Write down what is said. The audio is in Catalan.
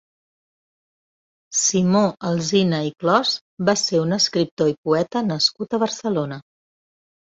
Simó Alsina i Clos va ser un escriptor i poeta nascut a Barcelona.